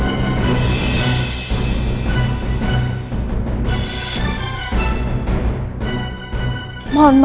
aku akan bersumpah untuk setia